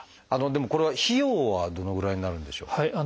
でもこれは費用はどのぐらいになるんでしょう？